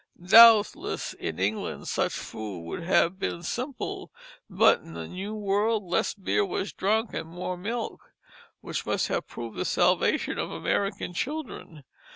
Doubtless in England such food would have been simple; but in the new world less beer was drank and more milk, which must have proved the salvation of American children.